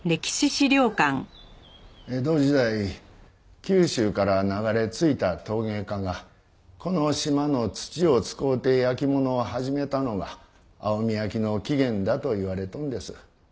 江戸時代九州から流れ着いた陶芸家がこの島の土を使うて焼き物を始めたのが蒼海焼の起源だといわれとるんです。